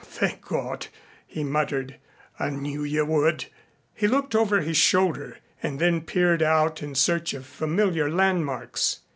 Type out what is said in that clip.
"Thank God," he muttered. "I knew you would." He looked over his shoulder and then peered out in search of familiar land marks.